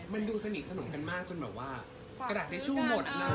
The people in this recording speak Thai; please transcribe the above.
มันดูสนิทสนมกันมากจนแบบว่ากระดาษทิชชู่หมด